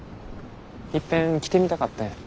いっぺん来てみたかってん。